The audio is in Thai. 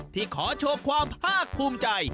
ที่ขอโชคความภาคภูมิใจ